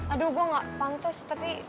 aduh gue gak pantas tapi